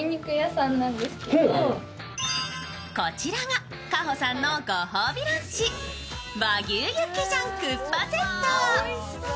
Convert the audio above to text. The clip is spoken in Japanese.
こちらが、かほさんのご褒美ランチ、和牛ユッケジャンセット。